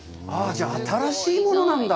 じゃあ新しいものなんだ。